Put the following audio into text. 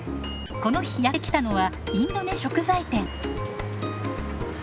この日やって来たのはインドネシア食材店。